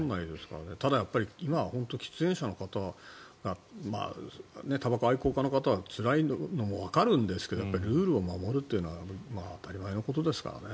ただ、今は本当に喫煙者の方はたばこ愛好家の方はつらいのもわかるんですがルールを守るというのは当たり前のことですからね。